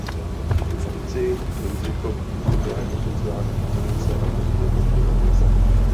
Při obci Jindřichov působila jako sociální pracovnice a později jako knihovnice.